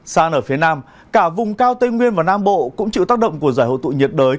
xa nở phía nam cả vùng cao tây nguyên và nam bộ cũng chịu tác động của giải hội tụ nhiệt đới